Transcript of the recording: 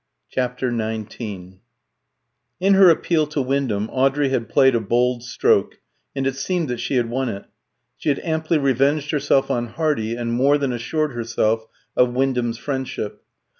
CHAPTER XIX In her appeal to Wyndham Audrey had played a bold stroke, and it seemed that she had won it. She had amply revenged herself on Hardy, and more than assured herself of Wyndham's friendship.